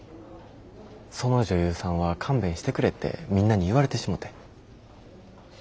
その女優さんは勘弁してくれってみんなに言われてしもて。